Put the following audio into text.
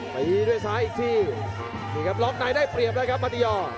ตีด้วยซ้ายอีกทีนี่ครับล็อกในได้เปรียบแล้วครับมัติยอร์